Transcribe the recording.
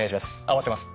合わせます。